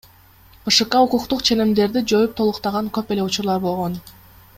БШК укуктук ченемдерди жоюп толуктаган көп эле учурлар болгон.